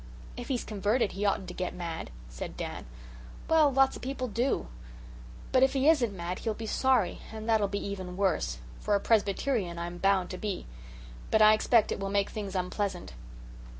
"If he's converted he oughtn't to get mad," said Dan. "Well, lots o' people do. But if he isn't mad he'll be sorry, and that'll be even worse, for a Presbyterian I'm bound to be. But I expect it will make things unpleasant."